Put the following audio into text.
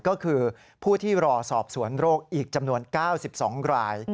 ก็คือผู้ที่รอสอบสวนโรคอีกจำนวน๙๒ราย